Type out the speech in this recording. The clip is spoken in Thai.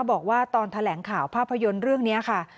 บอกว่าตอนแถลงข่าวภาพยนตร์เรื่องนี้ค่ะ